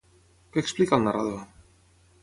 Què explica el narrador?